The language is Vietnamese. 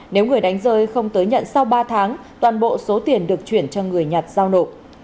nếu người đánh rơi không tới nhận sau ba tháng toàn bộ số tiền được chuyển cho người nhặt giao nộp